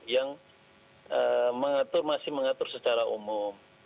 yang mengatur masih mengatur secara umum